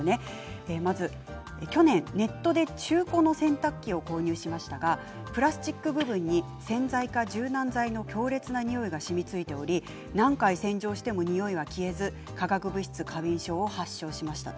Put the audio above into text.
去年ネットで中古の洗濯機を購入しましたがプラスチック部分に洗剤か柔軟剤の強烈なにおいがしみついており何回、洗浄してもにおいが消えず化学物質過敏症を発症しました。